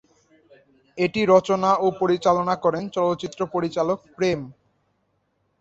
এটি রচনা ও পরিচালনা করেন চলচ্চিত্র পরিচালক প্রেম।